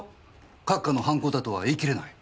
閣下の犯行だとは言い切れない。